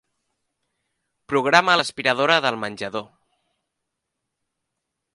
Programa l'aspiradora del menjador.